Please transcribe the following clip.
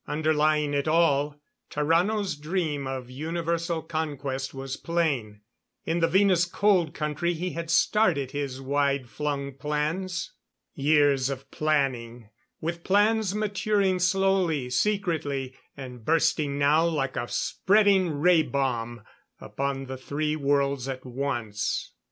Underlying it all, Tarrano's dream of universal conquest was plain. In the Venus Cold Country he had started his wide flung plans. Years of planning, with plans maturing slowly, secretly, and bursting now like a spreading ray bomb upon the three worlds at once.